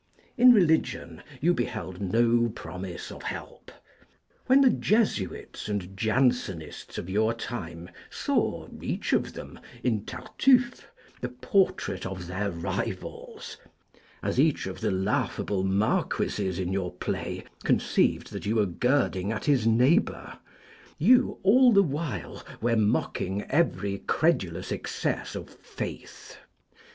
In Religion you beheld no promise of help. When the Jesuits and Jansenists of your time saw, each of them, in Tartufe the portrait of their rivals (as each of the laughable Marquises in your play conceived that you were girding at his neighbour), you all the while were mocking every credulous excess of Faith.